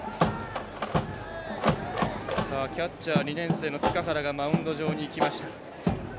キャッチャー、２年生の塚原がマウンド上に行きました。